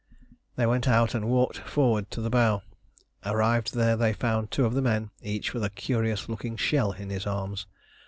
They went out and walked forward to the bow. Arrived there they found two of the men, each with a curious looking shell in his arms.